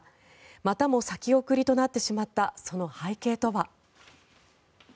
またも先送りとなってしまったその背景とは。